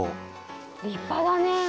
立派だね。